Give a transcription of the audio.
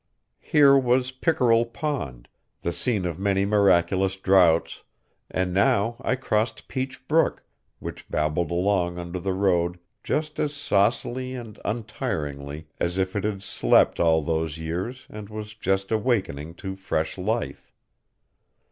Here was Pickerel Pond, the scene of many miraculous draughts, and now I crossed Peach brook which babbled along under the road just as saucily and untiringly as if it had slept all these years and was just awaking to fresh life.